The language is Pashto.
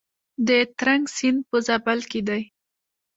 د ترنک سیند په زابل کې دی